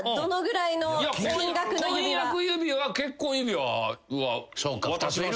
婚約指輪結婚指輪は渡しました。